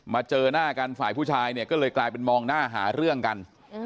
เจอหน้ากันฝ่ายผู้ชายเนี่ยก็เลยกลายเป็นมองหน้าหาเรื่องกัน